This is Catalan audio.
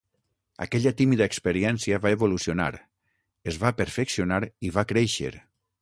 Aquella tímida experiència va evolucionar, es va perfeccionar i va créixer.